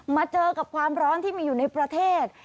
มาเจอกับความร้อนที่มีอยู่ในประเทศ